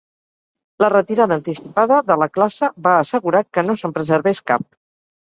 La retirada anticipada de la classe va assegurar que no se'n preservés cap.